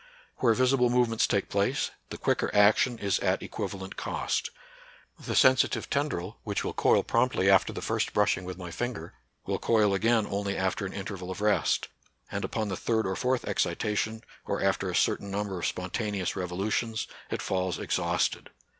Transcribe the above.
Where visible movements talke place, the quicker action is at equivalent cost. The sen sitive tendril, which wiU coil promptly after the first brushing with my finger, will coil again only after an interval of rest, and upon the 28 NATURAL SCIENCE AND RELIGION. third or fourth excitation, or after a certain number of spontaneous revolutions, it falls ex hausted.